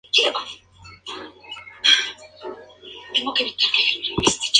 Hiroyuki Matsumoto